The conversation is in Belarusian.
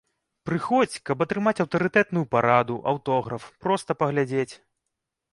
Прыходзь, каб атрымаць аўтарытэтную параду, аўтограф, проста паглядзець.